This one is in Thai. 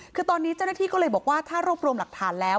คือตอนนี้เจ้าหน้าที่ก็เลยบอกว่าถ้ารวบรวมหลักฐานแล้ว